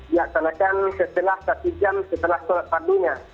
diaksanakan setelah satu jam setelah sholat fadlunya